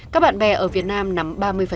các bạn bè ở việt nam nắm ba mươi